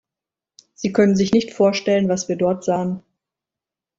Sie können sich nicht vorstellen, was wir dort sahen.